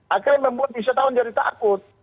akhirnya membuat wisatawan jadi takut